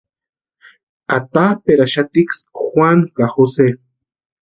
Atapʼerhaxatiksï Juanu ka Jose.